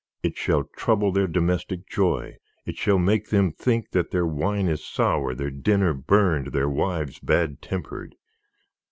It shall trouble their domestic joy, it shall make them think that their wine is sour, their dinner burned, their wives bad tempered.